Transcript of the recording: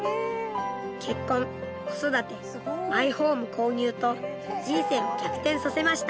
結婚子育てマイホーム購入と人生を逆転させました。